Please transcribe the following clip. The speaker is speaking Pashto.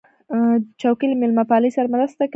چوکۍ له میلمهپالۍ سره مرسته کوي.